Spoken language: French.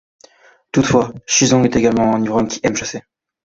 Toutefois, Shizong est également un ivrogne qui aime chasser.